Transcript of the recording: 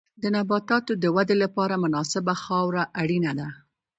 د نباتاتو د ودې لپاره مناسبه خاوره اړینه ده.